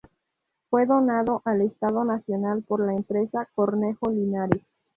Fue donado al Estado nacional por la empresa Cornejo Linares.